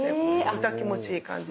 イタ気持ちいい感じで。